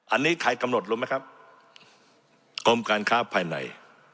อันนี้ใครกำหนดรู้ไหมครับกรมการค้าภายใน